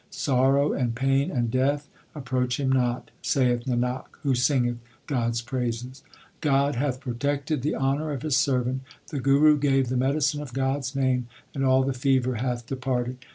Sorrow and pain and Death approach him not, Saith Nanak, who singeth God s praises. 2 God hath protected the honour of His servant. 3 The Guru gave the medicine of God s name, and all the fever hath departed.